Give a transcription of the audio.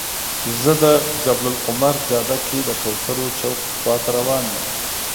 زه د جبل العمر جاده کې د کوترو چوک خواته روان یم.